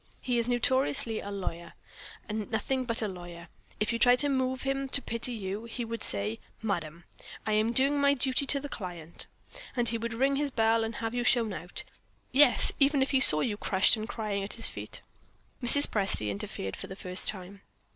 He is notoriously a lawyer, and nothing but a lawyer. If you tried to move him to pity you, he would say, 'Madam, I am doing my duty to my client'; and he would ring his bell and have you shown out. Yes! even if he saw you crushed and crying at his feet." Mrs. Presty interfered for the first time.